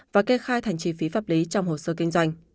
và kê khai thành trí phí pháp luật